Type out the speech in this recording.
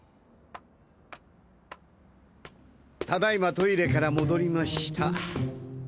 ただいまトイレから戻りました。